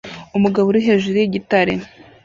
Umugabo uri hejuru yigitare